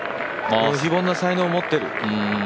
非凡な才能持ってる。